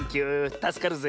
たすかるぜ。